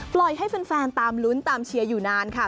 ปล่อยให้แฟนตามลุ้นตามเชียร์อยู่นานค่ะ